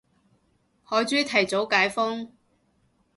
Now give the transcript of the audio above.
海珠提早解封